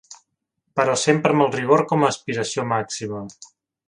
Però sempre amb el rigor com a aspiració màxima.